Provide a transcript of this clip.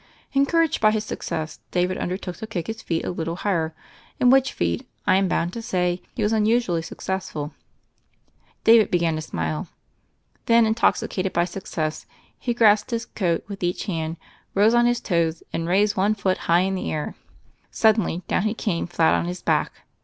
Encouraged by his success, David under took to kick his feet a little higher; in which feat, I am bound to say, he was unusually suc cessful. David began to smile. Then, intoxi cated by success, he grasped his coat with each hand, rose on his toes, and raised one foot high in the air. Suddenly down he came, flat on his back.